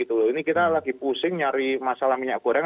ini kita lagi pusing nyari masalah minyak goreng